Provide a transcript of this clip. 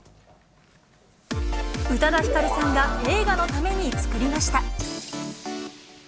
宇多田ヒカルさんが映画のために作りました。